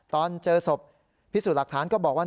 ตอนเจอศพพิสูจน์หลักฐานก็บอกว่า